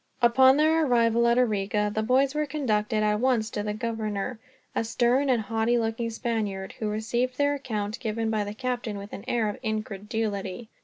Upon their arrival at Arica, the boys were conducted at once to the governor a stern and haughty looking Spaniard, who received the account given by the captain with an air of incredulity.